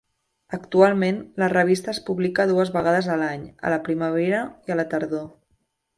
Actualment la revista es publica dues vegades a l'any, a la primavera i la tardor.